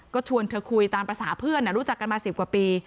ก็ชวนเธอคุยตามภาษาเพื่อนรู้จักกันมา๑๐กว่าปี